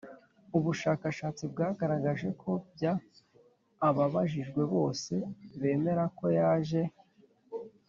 Ubushakashatsi bwagaragaje ko byaa ababajijwe bose bemera ko yaje